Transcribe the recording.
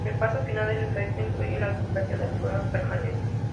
El paso final del efecto incluye la recuperación de la forma permanente.